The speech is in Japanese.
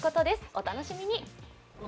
お楽しみに。